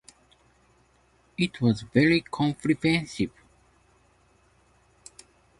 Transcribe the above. It was very comprehensive.